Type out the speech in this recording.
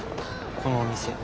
このお店。